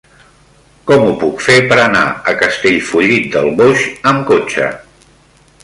Com ho puc fer per anar a Castellfollit del Boix amb cotxe?